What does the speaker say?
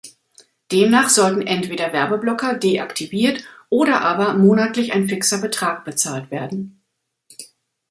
Demnach sollten entweder Werbeblocker deaktiviert oder aber monatlich ein fixer Betrag bezahlt werden.